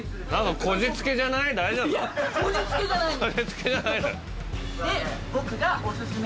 こじつけじゃないんだ